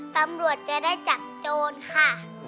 ตำรวจจะได้จับโจรค่ะ